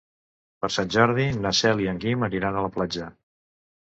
Per Sant Jordi na Cel i en Guim aniran a la platja.